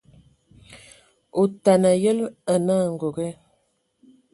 Otana a yǝlǝ anǝ angoge,